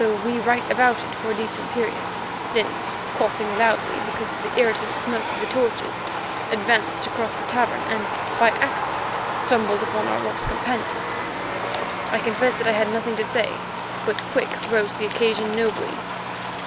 So we right abouted for a decent period, then, coughing loudly—because of the irritant smoke of the torches—advanced to cross the cavern, and by accident stumbled upon our lost companions. I confess that I had nothing to say, but Quick rose to the occasion nobly.